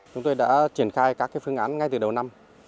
chúng tôi đã triển khai các phương án ngay từ đầu năm